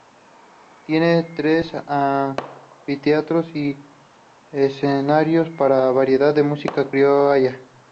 Tiene tres anfiteatros y escenarios para variedades y música criolla.